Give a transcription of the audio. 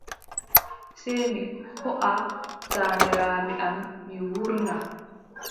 Sey mi hooʼa taaniraaɓe am, mi wuurna.